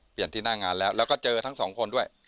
ที่หน้างานแล้วแล้วก็เจอทั้งสองคนด้วย